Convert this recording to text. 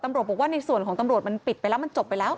ตำรวจบอกว่าในส่วนของตำรวจมันปิดไปแล้วมันจบไปแล้ว